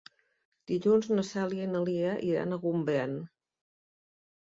Dilluns na Cèlia i na Lia iran a Gombrèn.